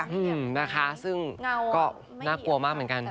อืมนะคะซึ่งเงาก็น่ากลัวมากเหมือนกัน